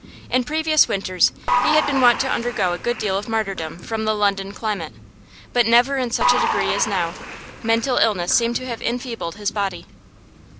In previous winters he had been wont to undergo a good deal of martyrdom from the London climate, but never in such a degree as now; mental illness seemed to have enfeebled his body.